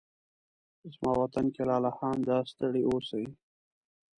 زما وطن کې لالهانده ستړي اوسې